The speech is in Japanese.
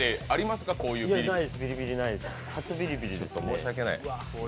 初ビリビリです。